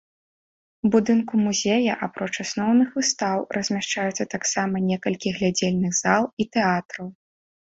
У будынку музея, апроч асноўных выстаў, размяшчаюцца таксама некалькі глядзельных зал і тэатраў.